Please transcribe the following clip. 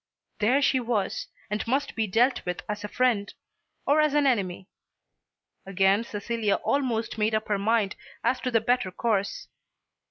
There she was, and must be dealt with as a friend, or as an enemy. Again Cecilia almost made up her mind as to the better course.